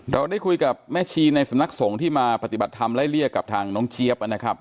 เราได้คุยกับแม่ชีในสำนักสงฆ์ที่มาปฏิบัติธรรมไล่เรียกกับทางน้องเจี๊ยบนะครับ